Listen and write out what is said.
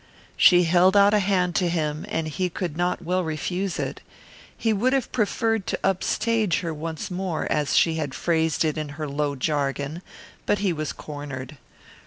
She held out a hand to him and he could not well refuse it. He would have preferred to "up stage" her once more, as she had phrased it in her low jargon, but he was cornered.